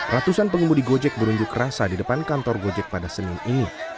ratusan pengemudi gojek berunjuk rasa di depan kantor gojek pada senin ini